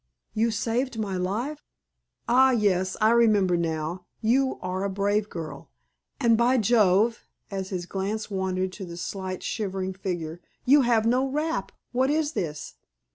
"You saved my life? Ah, yes! I remember now. You are a brave girl. And, by Jove!" as his glance wandered to the slight, shivering figure "you have no wrap. What is this?"